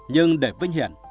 nhưng để vinh hiển